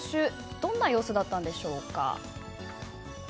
どんな様子だったんでしょうか。